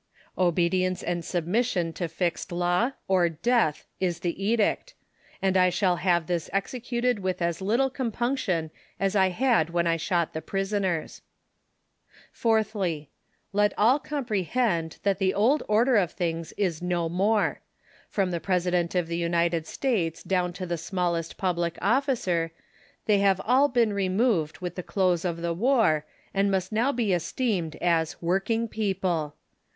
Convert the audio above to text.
Obedience and submission to fixed law or deatli is the edict, and I shall liave this executed with as little com punction as I had when I sliot the prisoners. Fourthly— luti all comprehend that the old order of things 374 THE SOCIAL WAR OF 1900; OR, is no more. From the President of the United States down to the smallest public officer, they have all been re moved with the close of the war, and must now be esteemed as loorking people.